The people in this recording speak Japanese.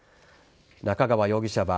中川容疑者は